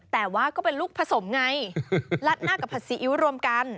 แต่ว่าก็เป็นลูกผสมไงลัดหน้ากับผัดซีอิ๊วรวมกัน